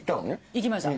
行きました。